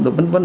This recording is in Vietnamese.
và văn văn